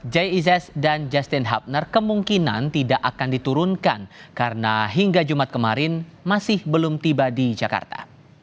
jay ises dan justin hubner kemungkinan tidak akan diturunkan karena hingga jumat kemarin masih belum tiba di jakarta